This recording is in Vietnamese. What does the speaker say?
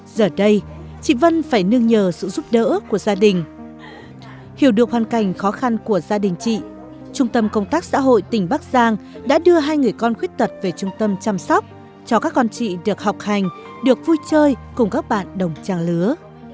giờ đây chị vân phải nương nhờ sự giúp đỡ của gia đình hiểu được hoàn cảnh khó khăn của gia đình chị trung tâm công tác xã hội tỉnh bắc giang đã đưa hai người con khuyết tật về trung tâm chăm sóc cho các con chị được học hành được vui chơi cùng các bạn đồng trang lứa